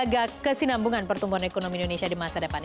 menjaga kesinambungan pertumbuhan ekonomi indonesia di masa depan